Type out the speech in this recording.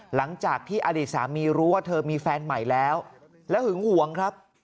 หลังจากที่อดีตสามีรู้ว่าเธอมีแฟนใหม่แล้วแล้วหึงหวงครับ